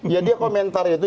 ya dia komentar itu